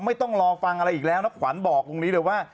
ต้องรอฟังอะไรอีกแล้วนะขวัญบอกตรงนี้เลยว่า